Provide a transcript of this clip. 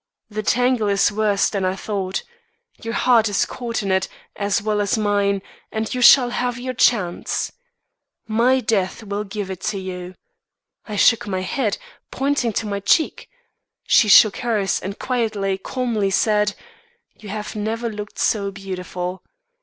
The tangle is worse than I thought; your heart is caught in it, as well as mine, and you shall have your chance. My death will give it to you.' I shook my head, pointing to my cheek. She shook hers, and quietly, calmly said, 'You have never looked so beautiful.